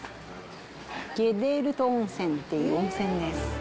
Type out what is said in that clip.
ゲッレールト温泉っていう温泉です。